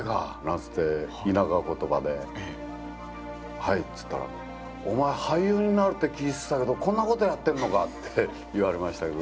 「はい」っつったら「お前俳優になるって聞いてたけどこんなことやってんのか」って言われましたけど。